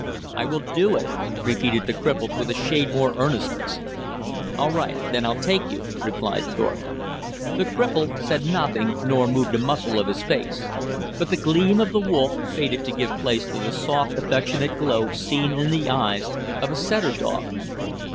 "I will do it!" repeated the cripple with a shade more earnestness. "All right, then I'll take you," replied Thorpe. The cripple said nothing, nor moved a muscle of his face, but the gleam of the wolf faded to give place to the soft, affectionate glow seen in the eyes of a setter dog.